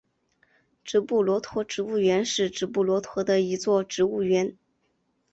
直布罗陀植物园是直布罗陀的一座植物园。